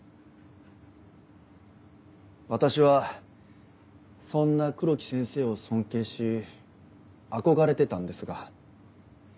私はそんな黒木先生を尊敬し憧れてたんですが。